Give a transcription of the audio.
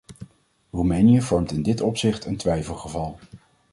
Roemenië vormt in dit opzicht een twijfelgeval.